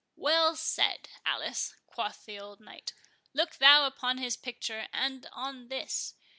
"Well said, Alice," quoth the old knight—"Look thou upon this picture, and on this!